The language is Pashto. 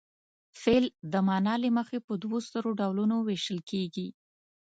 فعل د معنا له مخې په دوو سترو ډولونو ویشل کیږي.